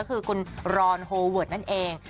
คือคุณรอนโฮเวิร์ดนั่นเอง